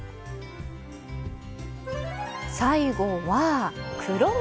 最後は黒豆。